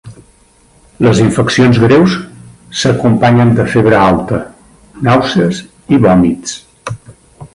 Les infeccions greus s'acompanyen de febre alta, nàusees i vòmits.